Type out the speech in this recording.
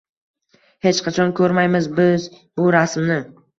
Hech qachon ko’rmaymiz biz bu rasmni –